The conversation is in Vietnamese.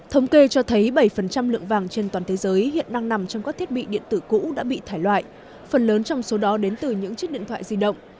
thống kê cho thấy bảy lượng vàng trên toàn thế giới hiện đang nằm trong các thiết bị điện tử cũ đã bị thải loại phần lớn trong số đó đến từ những chiếc điện thoại di động